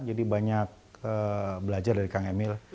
jadi banyak belajar dari kang emil